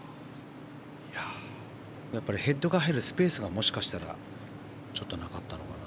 やっぱりヘッドが入るスペースがもしかしたらなかったのかな。